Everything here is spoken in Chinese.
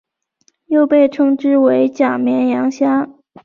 又被称之为假绵羊虾。